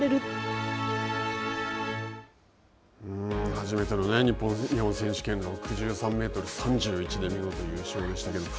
初めての日本選手権、６３メートル３１で見事な優勝でしたけど。